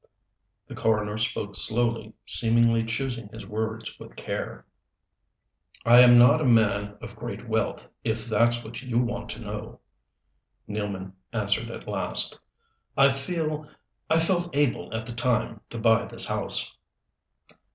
The coroner spoke slowly, seemingly choosing his words with care. "I am not a man of great wealth, if that's what you want to know," Nealman answered at last. "I feel I felt able at the time to buy this house."